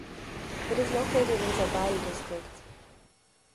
It is located in Sabail district.